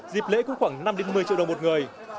dịp lễ cũng khoảng năm một mươi triệu đồng một người